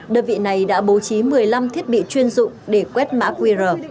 đơn vị này đã bố trí một mươi năm thiết bị chuyên dụng để quét mã qr